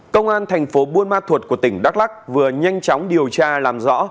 công an thành phố buôn ma thuột của tỉnh đắk lắc vừa nhanh chóng điều tra làm rõ